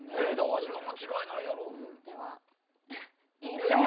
味は間違いないやろ。